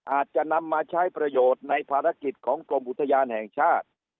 อาจจะนำมาใช้ประโยชน์ในภารกิจของกรมอุทยานแห่งชาติ